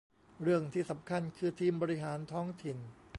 เรื่องที่สำคัญคือทีมบริหารท้องถิ่น